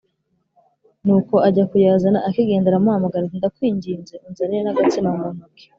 Nuko ajya kuyazana Akigenda aramuhamagara ati “Ndakwinginze unzanire n’agatsima mu ntoki”